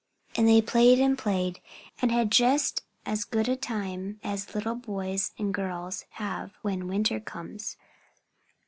And they played and played and had just as good a time as little boys and girls have when winter comes.